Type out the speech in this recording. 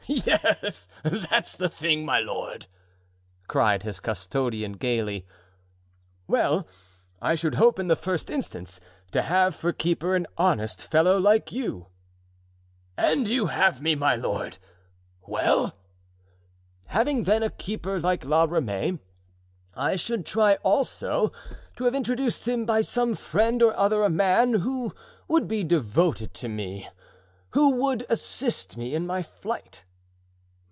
"Yes, that's the thing, my lord!" cried his custodian, gaily. "Well, I should hope, in the first instance, to have for keeper an honest fellow like you." "And you have me, my lord. Well?" "Having, then, a keeper like La Ramee, I should try also to have introduced to him by some friend or other a man who would be devoted to me, who would assist me in my flight."